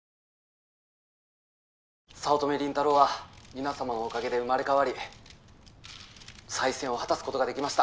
早乙女倫太郎は皆様のおかげで生まれ変わり再選を果たすことができました！